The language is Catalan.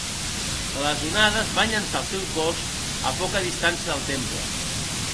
Les onades van llençar el seu cos a poca distància del temple.